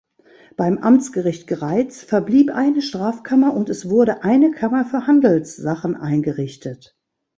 Beim Amtsgericht Greiz verblieb eine Strafkammer und es wurde eine Kammer für Handelssachen eingerichtet.